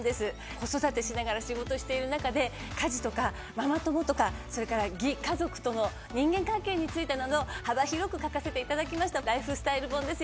子育てしながら仕事している中で家事とかママ友とかそれから義家族との人間関係についてなど幅広く書かせていただきましたライフスタイル本です。